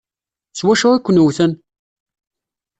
S wacu i ken-wwten?